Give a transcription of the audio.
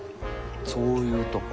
そういうとこ。